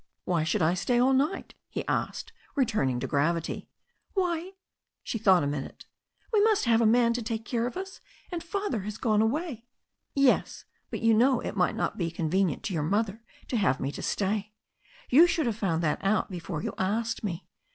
"Why should I stay all night?" he asked, returning to gravity. "Why" — ^she thought a minute — ^"we must have a maa to take care of us, and Father has gone away." "Yes, but you know it might not be convenient to your mother to have me to stay. You should have found that out before you asked me.